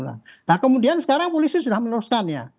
nah kemudian sekarang polisi sudah meneruskan ya